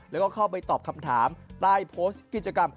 แล้วก็เข้าไปตอบคำถามใต้โพสต์กิจกรรม